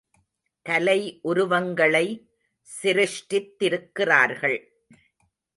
கலை உருவங்களை சிருஷ்டித்திருக்கிறார்கள்.